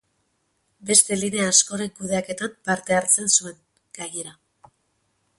Beste linea askoren kudeaketan parte hartzen zuen, gainera.